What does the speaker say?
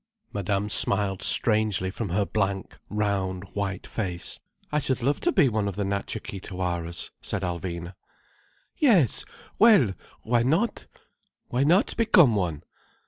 Madame smiled strangely from her blank, round white face. "I should love to be one of the Natcha Kee Tawaras," said Alvina. "Yes—well—why not? Why not become one?